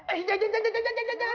eh jangan jangan jangan jangan jangan